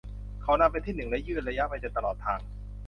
เขานำเป็นที่หนึ่งและยืนระยะไปจนตลอดทาง